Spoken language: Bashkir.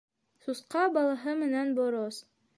СУСҠА БАЛАҺЫ МЕНӘН БОРОС